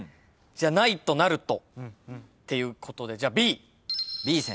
じゃないとなるとっていうことでじゃあ。